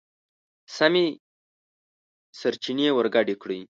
سمې سرچينې ورګډې کړئ!.